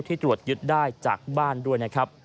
ที่ตรวจยึดได้จากบ้านด้วย